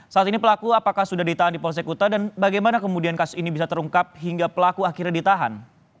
saat ini pelaku apakah sudah ditahan di polsek kuta dan bagaimana kemudian kasus ini bisa terungkap hingga pelaku akhirnya ditahan